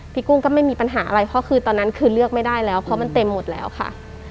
กุ้งก็ไม่มีปัญหาอะไรเพราะคือตอนนั้นคือเลือกไม่ได้แล้วเพราะมันเต็มหมดแล้วค่ะ